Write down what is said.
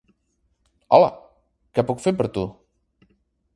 Hola! Què puc fer per tu?